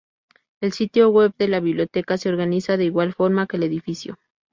El sitio web de la biblioteca se organiza de igual forma que el edificio.